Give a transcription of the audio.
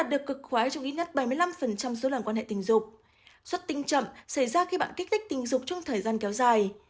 hai dối loạn chức năng tình dục ở nữ giới không đạt được cực khoái xảy ra khi bạn kích thích tình dục trong thời gian kéo dài